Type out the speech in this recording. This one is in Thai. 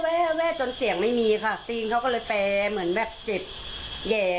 แวบจนเสียงไม่มีค่ะตีนเขาก็เลยแปลเหมือนแบบเจ็บแหย่